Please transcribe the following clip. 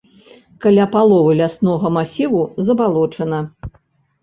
Каля паловы ляснога масіву забалочана.